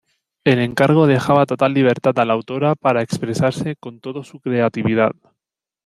El encargo dejaba total libertad a la autora para expresarse con todo su creatividad.